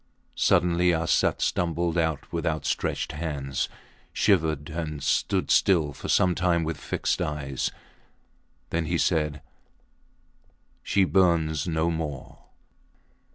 Suddenly Arsat stumbled out with outstretched hands, shivered, and stood still for some time with fixed eyes. Then he said She burns no more.